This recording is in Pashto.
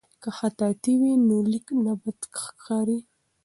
که خطاطي وي نو لیک نه بد ښکاریږي.